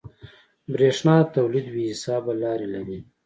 برېښنا د تولید بې حسابه لارې لري.